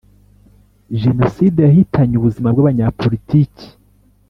Genoside yahitanye ubuzima bw’abanyapolitiki